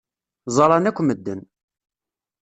Ẓṛan akk medden.